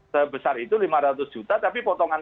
sebesar itu lima ratus juta tapi potongan